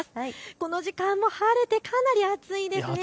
この時間も晴れてかなり暑いですね。